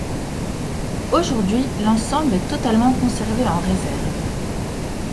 Aujourd’hui, l'ensemble est totalement conservé en réserve.